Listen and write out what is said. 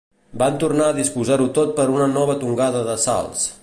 Van tornar a disposar-ho tot per a una nova tongada de salts.